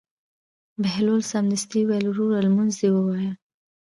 بهلول سمدستي وویل: وروره لمونځ دې ووایه.